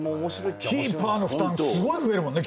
キーパーの負担すごい増えるもんね。